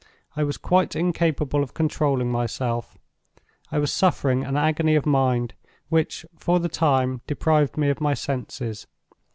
I was quite incapable of controlling myself—I was suffering an agony of mind which for the time deprived me of my senses.